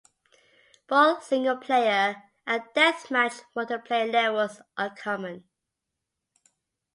Both single-player and deathmatch multiplayer levels are common.